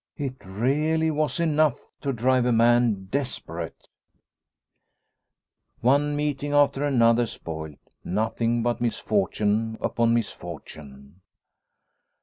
It really was enough to drive a man desperate ! One meeting after another spoilt, nothing but misfortune upon misfortune